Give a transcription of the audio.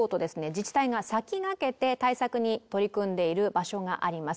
自治体が先駆けて対策に取り組んでいる場所があります